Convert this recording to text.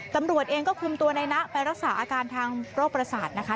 ตำรวจเองก็คุมตัวในนะไปรักษาอาการทางโรคประสาทนะคะ